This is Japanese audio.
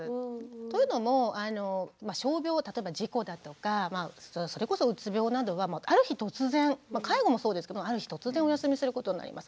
というのも傷病例えば事故だとかそれこそうつ病などはある日突然介護もそうですけどある日突然お休みすることになります。